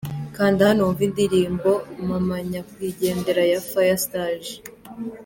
Kanda hano wumve indirimbo Mama Nyakwigendera ya Fire Stage.